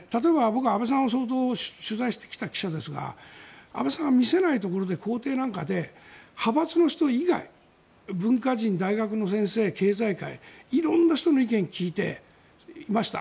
僕は安倍さんを取材してきた記者ですが安倍さんは見せないところで公邸なんかで派閥の人以外文化人、大学の先生、経済界色んな人の意見を聞いてました。